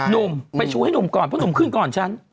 หนุ่มไปชูให้หนุ่มก่อนเพราะหนุ่มขึ้นก่อนฉัน